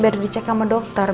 biar dicek sama dokter